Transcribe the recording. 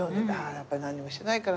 やっぱり何にもしてないからな。